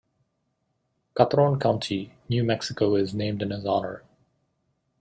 Catron County, New Mexico is named in his honor.